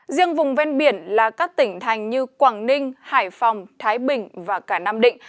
riêng vùng ven biển là các tỉnh thành như quảng ninh hải phòng thái bình và cả nam định